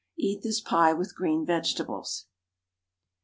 Eat this pie with green vegetables.